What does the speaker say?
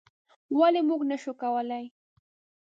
ولې موږ نشو کولی؟